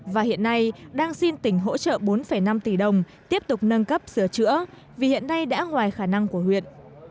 và hiện nay đang xin tỉnh hỗ trợ bốn năm tỷ đồng tiếp tục nâng cấp sửa chữa vì hiện nay đã ngoài khả năng của huyện